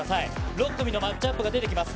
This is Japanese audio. ６組のマッチアップが出てきます。